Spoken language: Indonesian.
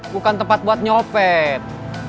bukan tempat buat nyopet